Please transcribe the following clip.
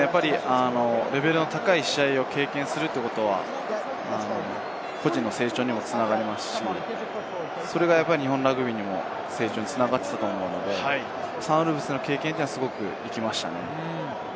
レベルの高い試合を経験するということは、個人の成長にも繋がりますし、それが日本のラグビーの成長にも繋がったと思うので、サンウルブズの経験は、すごく生きましたね。